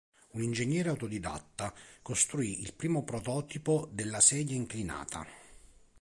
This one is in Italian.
Un ingegnere autodidatta, costruì il primo prototipo della sedia inclinata..